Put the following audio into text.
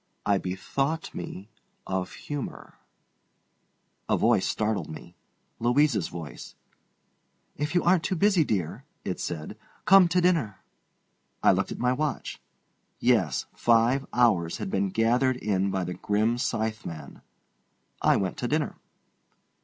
I bethought me of humor. A voice startled me—Louisa's voice. "If you aren't too busy, dear," it said, "come to dinner." I looked at my watch. Yes, five hours had been gathered in by the grim scytheman. I went to dinner.